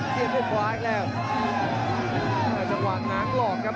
เสียบด้วยขวาอีกแล้วจังหวะง้างหลอกครับ